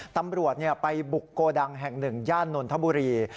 ตำรวจไปบุกโกดังแห่งหนึ่งย่านนทบุรี